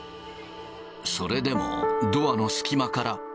それでもドアの隙間から。